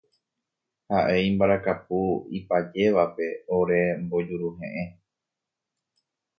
Haʼe imbarakapu ipajévape ore mbojuruheʼẽ.